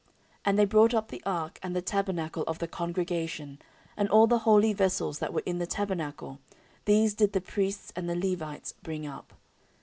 14:005:005 And they brought up the ark, and the tabernacle of the congregation, and all the holy vessels that were in the tabernacle, these did the priests and the Levites bring up.